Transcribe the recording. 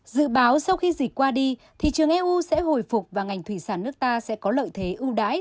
dự báo sau khi dịch qua đi thị trường eu sẽ hồi phục và ngành thủy sản nước ta sẽ có lợi thế ưu đãi